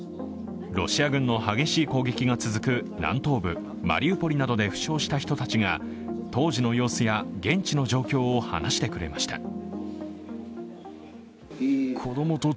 ロシア軍の激しい攻撃が続く南東部マリウポリなどで負傷した人たちが当時の様子や現地の状況を話してくれました。